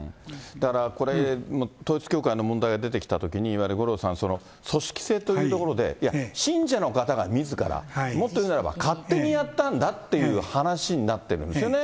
だからこれ、統一教会の問題が出てきたときに、いわゆる五郎さん、組織性というところで、いや、信者の方がみずから、もっと言うならば勝手にやったんだっていう話になってるんですよね。